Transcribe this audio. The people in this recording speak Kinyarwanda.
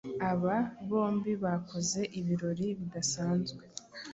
Aba bombi bakoze ibirori bidasanzwe